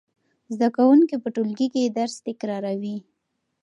زده کوونکي په ټولګي کې درس تکراروي.